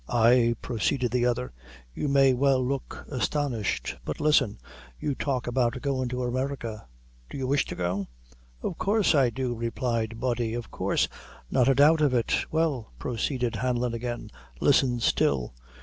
"Ay!" proceeded the other, "you may well look astonished but listen, you talk about goin' to America do you wish to go?" "Of coorse I do," replied Body, "of coorse not a doubt of it." "Well," proceeded Hanlon again, "listen still!